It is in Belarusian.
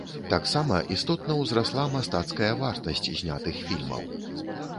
Таксама істотна ўзрасла мастацкая вартасць знятых фільмаў.